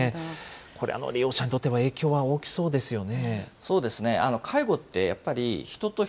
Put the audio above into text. これ、利用者にとっては影響は大きそうですよね。